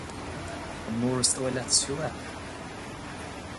An mór is dóigh leat is fiú é?